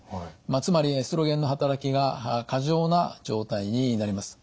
つまりエストロゲンの働きが過剰な状態になります。